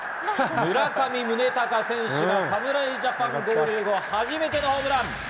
村上宗隆選手が侍ジャパン、合流後初めてのホームラン！